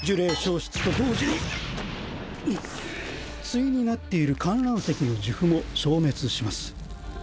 対になっている観覧席の呪符も消滅します。